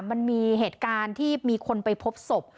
มันมีเหตุการณ์ที่มีคนไปพบศพ